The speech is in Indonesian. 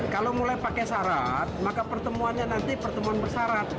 kalau mulai pakai syarat maka pertemuannya nanti pertemuan bersarat